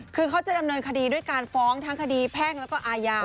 คือเขาจะดำเนินคดีด้วยการฟ้องทั้งคดีแพ่งแล้วก็อาญา